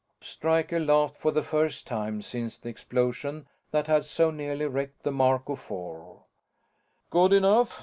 Stryker laughed for the first time since the explosion that had so nearly wrecked the Marco Four. "Good enough.